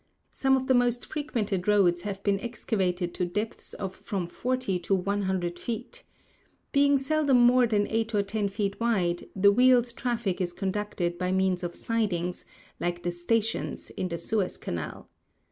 Some of the most frequented roads have been excavated to depths of from forty to one hundred feet. Being seldom more than eight or ten feet wide, the wheeled traffic is conducted by means of sidings, like the "stations" in the Suez Canal.